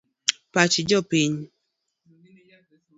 Pach jopiny..